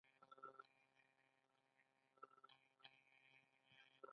ځنګلونه د اکسیجن تولیدولو لپاره مهم دي